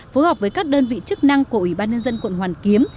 phối hợp với các đơn vị chức năng của ủy ban nhân dân quận hoàn kiếm